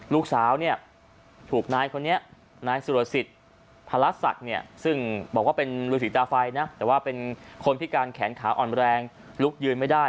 ลูกสาวถูกนายคนนี้นายศิลสิทธิ์พระรัชศักดิ์ซึ่งบอกว่าเป็นฤทธิตาไฟแต่ว่าเป็นคนพิการแขนขาอ่อนแรงลุกยืนไม่ได้